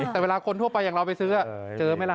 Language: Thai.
แต่เวลาคนทั่วไปอย่างเราไปซื้อเจอไหมล่ะ